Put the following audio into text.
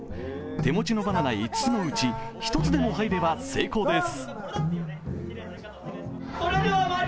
手持ちのバナナ５つのうち１つでも入れば成功です。